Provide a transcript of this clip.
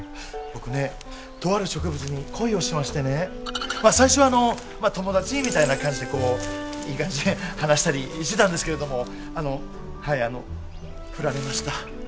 僕ねとある植物に恋をしましてねまあ最初はあの友達みたいな感じでこういい感じに話したりしてたんですけれどもあのはいあの振られました。